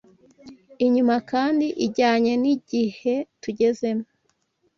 inyuma kandi ijyanye n’igihetugezemo